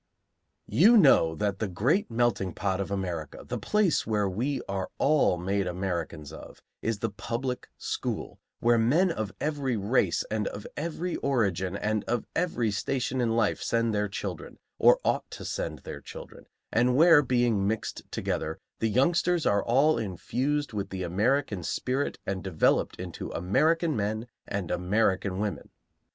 You know that the great melting pot of America, the place where we are all made Americans of, is the public school, where men of every race and of every origin and of every station in life send their children, or ought to send their children, and where, being mixed together, the youngsters are all infused with the American spirit and developed into American men and American women.